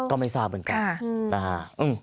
ก็ไม่ทราบเหมือนกัน